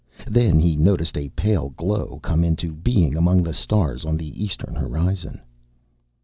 Then he noticed a pale glow come into being among the stars on the eastern horizon.